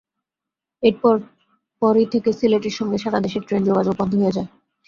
এরপরই থেকে সিলেটের সঙ্গে সারা দেশের ট্রেন যোগাযোগ বন্ধ হয়ে যায়।